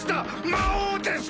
魔王ですか！